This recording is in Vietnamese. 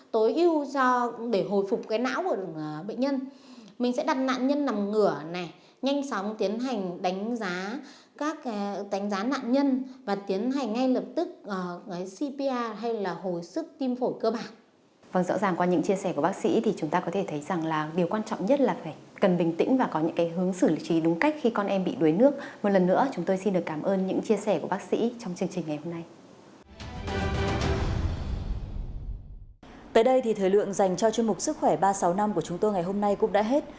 tới đây thì thời lượng dành cho chương mục sức khỏe ba sáu năm của chúng tôi ngày hôm nay cũng đã hết